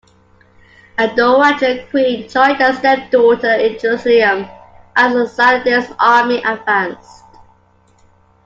The dowager queen joined her stepdaughter in Jerusalem as Saladin's army advanced.